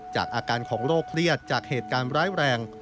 จากอาการของโรคเครียดจากเหตุการณ์ร้ายแรง